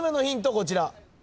こちら。